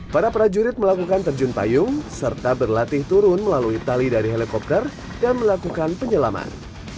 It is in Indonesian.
para prajurit melakukan terjun payung serta berlatih turun melalui tali dari helikopter dan melakukan penyelaman